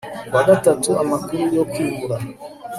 Ku wa gatatu amakuru yo kwimura